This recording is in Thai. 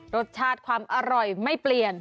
รสชาติความอร่อยไม่เปลี่ยน